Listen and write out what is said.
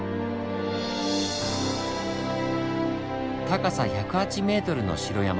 高さ１０８ｍの城山。